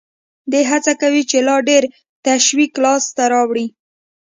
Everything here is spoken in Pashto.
دی هڅه کوي چې لا ډېر تشویق لاس ته راوړي